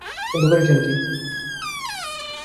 কিন্তু করেছেন কী?